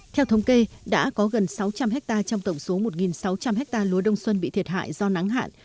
theo thống kê đã có gần sáu trăm linh hectare trong tổng số một sáu trăm linh hectare lúa đông xuân bị thiệt hại do nắng hạn